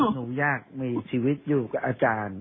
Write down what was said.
หนูอยากมีชีวิตอยู่กับอาจารย์